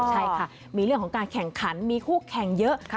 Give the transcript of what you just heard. ใช่ค่ะมีเรื่องของการแข่งขันมีคู่แข่งเยอะ